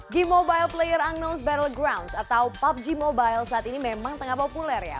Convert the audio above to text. game mobile player unknown battlegrounds atau pubg mobile saat ini memang tengah populer ya